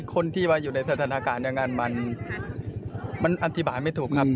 คนที่ว่าอยู่ในสถานการณ์อย่างนั้นมันอธิบายไม่ถูกครับ